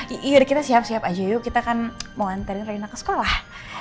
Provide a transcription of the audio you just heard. yaudah kita siap siap aja yuk kita kan mau anterin reina ke sekolah